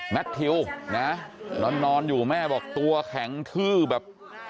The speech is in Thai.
ทิวนะนอนอยู่แม่บอกตัวแข็งทื้อแบบ